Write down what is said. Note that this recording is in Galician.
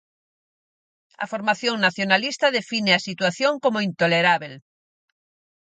A formación nacionalista define a situación como intolerábel.